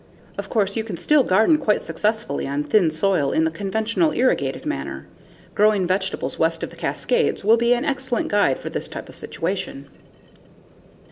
Of course, you can still garden quite successfully on thin soil in the conventional, irrigated manner. Growing Vegetables West of the Cascades will be an excellent guide for this type of situation.